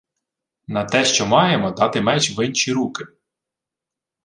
— На те, що маємо дати меч в инчі руки.